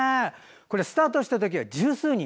スタートした時は十数人。